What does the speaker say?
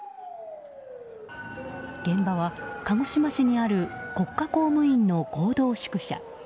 現場は鹿児島市にある国家公務員の合同宿舎。